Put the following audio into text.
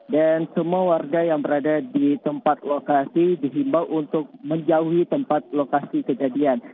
dan semua warga yang berada di tempat lokasi dihimbau untuk menjauhi tempat lokasi kejadian